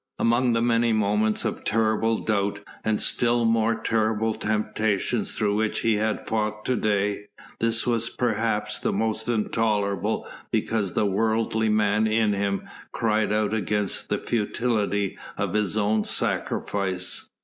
Among the many moments of terrible doubt and still more terrible temptation through which he had fought to day, this was perhaps the most intolerable because the worldly man in him cried out against the futility of his own sacrifice.